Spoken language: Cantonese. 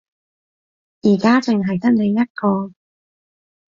而家淨係得你一個